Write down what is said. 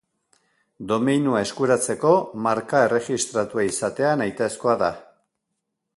Domeinua eskuratzeko marka erregistratua izatea nahitaezkoa da.